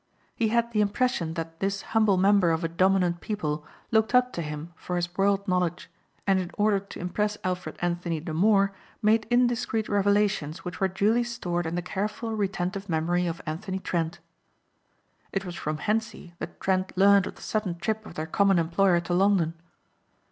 He had the impression that this humble member of a dominant people looked up to him for his world knowledge and in order to impress Alfred Anthony the more made indiscreet revelations which were duly stored in the careful retentive memory of Anthony Trent. It was from Hentzi that Trent learned of the sudden trip of their common employer to London.